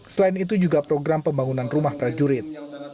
selain itu juga program pembangunan rumah prajurit